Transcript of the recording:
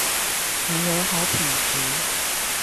能有好品質